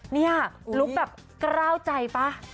นี่ลูกแบบกระร้าวใจปะ